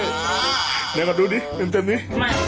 เดี๋ยวก่อนดูดิเป็นจนนี้